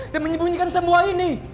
dan menyembunyikan semua ini